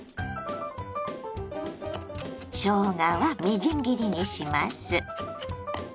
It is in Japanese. しょうがはみじん切りにします。